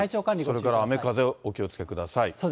それから雨風、お気をつけください。